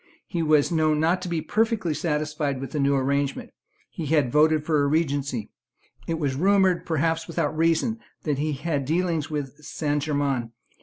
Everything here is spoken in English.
He was known not to be perfectly satisfied with the new arrangement; he had voted for a Regency; and it was rumoured, perhaps without reason, that he had dealings with Saint Germains.